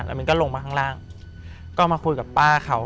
แล้วมันก็ลงมาข้างล่างก็มาคุยกับป้าเขา